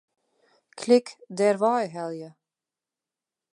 Klik Dêrwei helje.